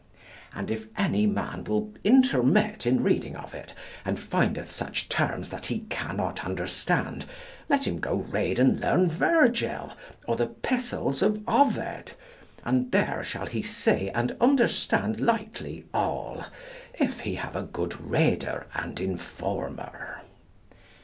And if any man will intermit in reading of it, and findeth such terms that he cannot understand, let him go read and learn Virgil of the pistles of Ovid, and there he shall see and understand lightly all, if he have a good reader and informer.